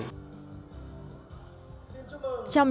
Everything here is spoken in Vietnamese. xin chúc mừng